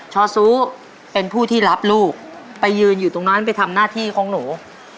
อซูเป็นผู้ที่รับลูกไปยืนอยู่ตรงนั้นไปทำหน้าที่ของหนู